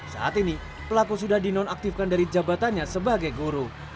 saat ini pelaku sudah dinonaktifkan dari jabatannya sebagai guru